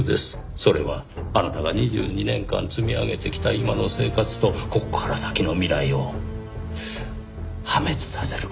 それはあなたが２２年間積み上げてきた今の生活とここから先の未来を破滅させる事を意味します。